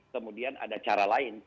kemudian ada cara lain